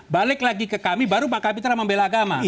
balik lagi ke kami baru pak kapitra membelakang mah